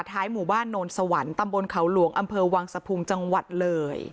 หมู่บ้านโนนสวรรค์ตำบลเขาหลวงอำเภอวังสะพุงจังหวัดเลย